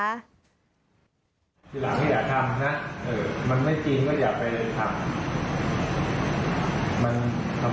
ทีหลังก็อย่าทำนะมันไม่จริงก็อย่าไปทำ